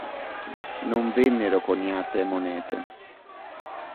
Non vennero coniate monete.